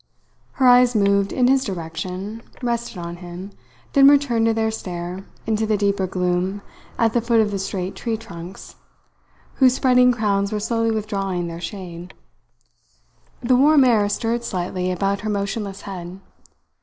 Her eyes moved in his direction, rested on him, then returned to their stare into the deeper gloom at the foot of the straight tree trunks, whose spreading crowns were slowly withdrawing their shade. The warm air stirred slightly about her motionless head.